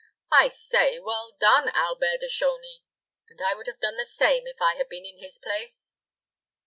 I say, well done, Albert de Chauny; and I would have done the same if I had been in his place."